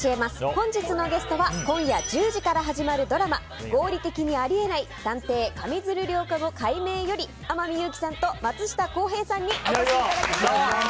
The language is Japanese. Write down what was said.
本日のゲストは今夜１０時から始まるドラマ「合理的にあり得ない探偵・上水流涼子の解明」より天海祐希さんと松下洸平さんにお越しいただきました。